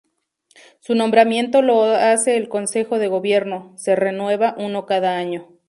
Su nombramiento lo hace el Consejo de Gobierno; se renueva uno cada año.